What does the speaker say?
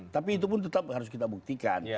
tapi itu pun tetap harus kita buktikan